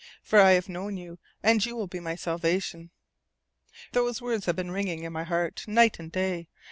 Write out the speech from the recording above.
For I will have known you, and you will be my salvation.' Those words have been ringing in my heart night and day.